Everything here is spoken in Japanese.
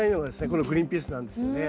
このグリーンピースなんですよね。